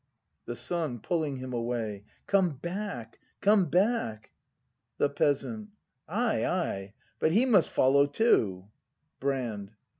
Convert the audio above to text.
The Son. [Pulling him away.] Come back! come back! The Peasant. Ay, ay; but he must follow too! Brand.